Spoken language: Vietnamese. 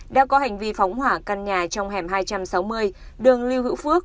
đã có hành vi phóng hỏa căn nhà trong hẻm hai trăm sáu mươi đường lưu hữu phước